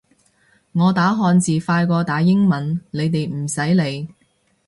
我打漢字快過打英文，你哋唔使理